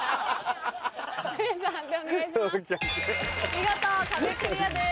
見事壁クリアです。